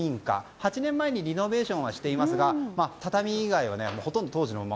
８年前にリノベーションはしていますが、畳以外はほとんど当時のまま。